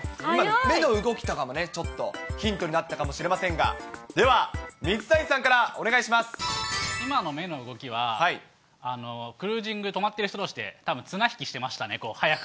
目の動きとかもね、ちょっとヒントになったかもしれませんが、では、水谷さんからお今の目の動きは、クルージング、止まっている人どうしでたぶん綱引きしてましたね、速く。